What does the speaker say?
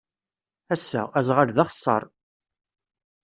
Ass-a, aẓɣal d axeṣṣar.